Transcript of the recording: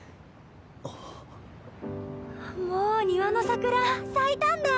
もう庭の桜咲いたんだ。